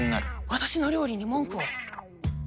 私の料理に文句を？